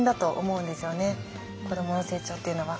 子どもの成長っていうのは。